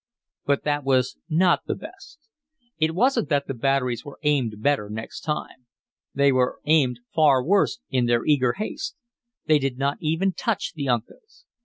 But that was not the best. It wasn't that the batteries were aimed better next time. They were aimed far worse in their eager haste. They did not even touch the Uncas.